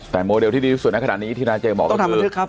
แต่โมเดลที่ดีที่สุดนะขนาดนี้ที่นาเจมส์บอกก็คือต้องทำบันทึกครับ